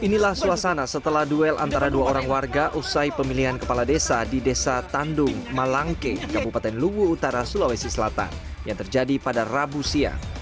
inilah suasana setelah duel antara dua orang warga usai pemilihan kepala desa di desa tandung malangke kabupaten luwu utara sulawesi selatan yang terjadi pada rabu siang